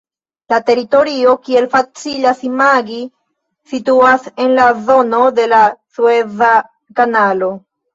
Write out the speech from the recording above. La teritorio, kiel facilas imagi, situas en la zono de la Sueza Kanalo.